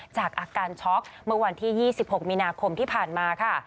จากอาการช็อกเมื่อวันที่๒๖มีนาคมที่ผ่านมาค่ะ